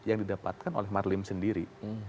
yang didapatkan oleh marlim sendiri